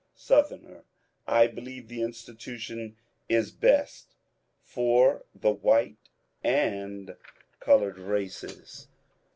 Southerner, — I believe the institution is best for the white and coloured races.